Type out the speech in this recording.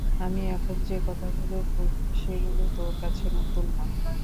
আমি এখন যে কথাগুলো বলবো সেগুলো তোর কাছে নতুন না।